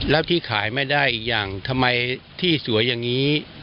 แล้วที่ขายไม่ได้อย่างทำไมที่สวยอย่างนี้